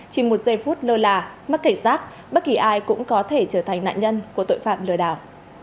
chỉ một giây phút lơ là mắc kể rác bất kỳ ai cũng có thể trở thành nạn nhân của tội phạm lừa đảo